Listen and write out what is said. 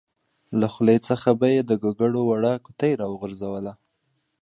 له خولې څخه به یې د ګوګړو وړه قطۍ راوغورځوله.